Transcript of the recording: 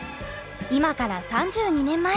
今から３２年前。